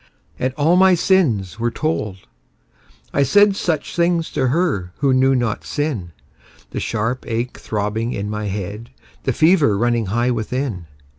And all my sins were told; I said Such things to her who knew not sin The sharp ache throbbing in my head, The fever running high within.